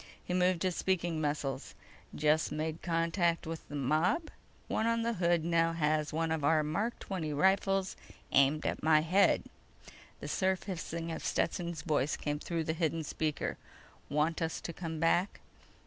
He moved his speaking muscles: "Just made contact with the mob. One on the hood now has one of our Mark XX rifles aimed at my head." The surf hissing of Stetson's voice came through the hidden speaker: _"Want us to come back?"